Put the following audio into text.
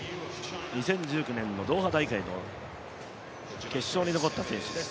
２０１９年のドーハ大会の決勝に残った選手です。